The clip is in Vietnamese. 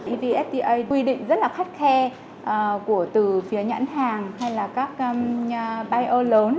evfta quy định rất là khắt khe của từ phía nhãn hàng hay là các bài ơ lớn